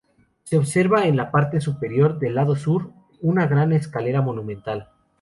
Se observa, en la parte superior del lado sur, una gran escalera monumental.